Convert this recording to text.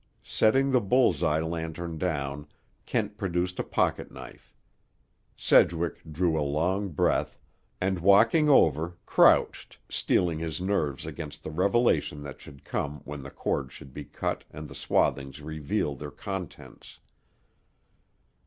Setting the bull's eye lantern down, Kent produced a pocket knife. Sedgwick drew a long breath, and walking over, crouched, steeling his nerves against the revelation that should come when the cords should be cut and the swathings reveal their contents.